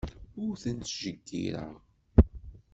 Ur ten-ttjeyyireɣ.